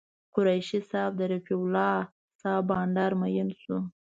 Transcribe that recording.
قریشي صاحب د رفیع صاحب بانډار مین شو.